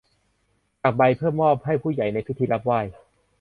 สักใบเพื่อมอบให้ผู้ใหญ่ในพิธีรับไหว้